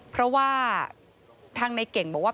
เพราะว่าทางในเก่งบอกว่า